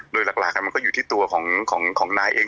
โดยหลักมันก็อยู่ที่ตัวของนายเอง